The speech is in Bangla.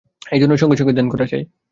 এইজন্য সঙ্গে সঙ্গে ধ্যান করা চাই।